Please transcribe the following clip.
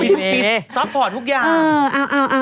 พิษซอปพอต์ทุกอย่าง